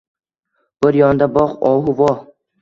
Bir yonda, boq, ohu voh…